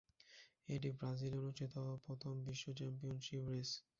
এটি ব্রাজিলে অনুষ্ঠিত প্রথম বিশ্ব চ্যাম্পিয়নশিপ রেস।